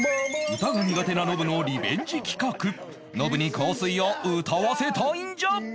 歌が苦手なノブのリベンジ企画「ノブに『香水』を歌わせたいんじゃ！！」